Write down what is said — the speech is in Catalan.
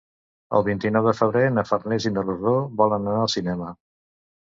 El vint-i-nou de febrer na Farners i na Rosó volen anar al cinema.